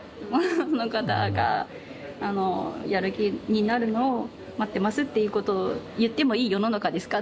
その方があのやる気になるのを待ってますっていうことを言ってもいい世の中ですか？